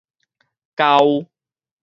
厚